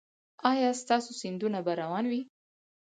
ایا ستاسو سیندونه به روان وي؟